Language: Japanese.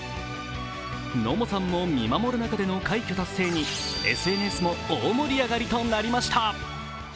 野茂さんも見守る中での快挙達成にＳＮＳも大盛り上がりとなりました。